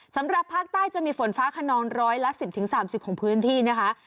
สำหรับภาคใต้จะมีฝนฟ้าขนองร้อยละสิบถึงสามสิบของพื้นที่นะคะ